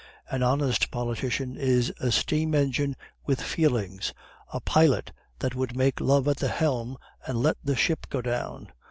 An honest politician is a steam engine with feelings, a pilot that would make love at the helm and let the ship go down.